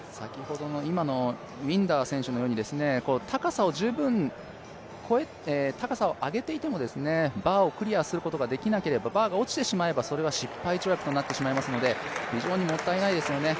今のウィンダー選手のように高さを上げていても、バーをクリアすることができなければバーが落ちてしまえばそれは失敗跳躍となってしまいますので、非常にもったいないですよね。